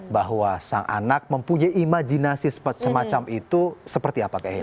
bahwa sang anak mempunyai imajinasi semacam itu seperti apa kayaknya